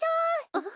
あっ？